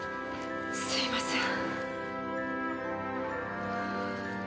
すいません。